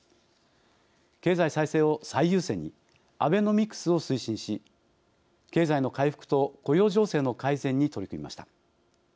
経済再生を最優先にアベノミクスを推進し経済の回復と雇用情勢の改善に取り組みました。